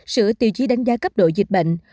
sửa tiêu chí đánh giá cấp độ dịch bệnh